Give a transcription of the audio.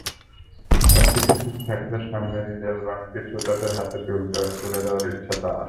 সবকিছু ঠিক থাকলে সামনের ঈদে অ্যালবামটি শ্রোতাদের হাতে তুলে দেওয়ার ইচ্ছা তাঁর।